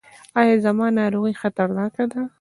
ایا زما ناروغي خطرناکه ده؟